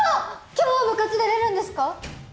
今日は部活出られるんですか？